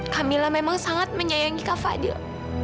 kamila memang sangat menyayangi kak fadil